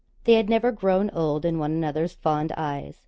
They had never grown old in one another's fond eyes.